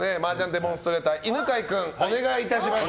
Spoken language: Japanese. デモンストレーター犬飼君、お願いします。